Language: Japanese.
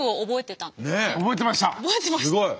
覚えてました！